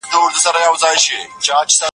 زه به سبا کتابتوننۍ سره وخت تېره کړم.